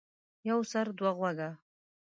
يو سر ،دوه غوږه.